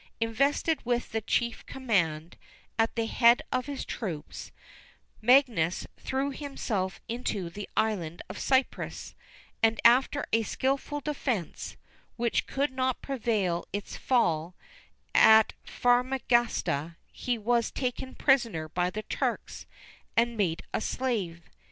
Invested with the chief command, at the head of his troops, Magius threw himself into the island of Cyprus, and after a skilful defence, which could not prevent its fall, at Famagusta he was taken prisoner by the Turks, and made a slave.